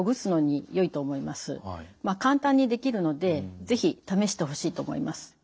簡単にできるので是非試してほしいと思います。